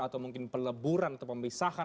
atau mungkin peleburan atau pemisahan